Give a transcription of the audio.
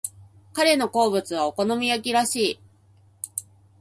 彼の好物はお好み焼きらしい。